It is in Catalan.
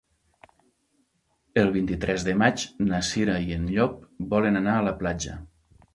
El vint-i-tres de maig na Cira i en Llop volen anar a la platja.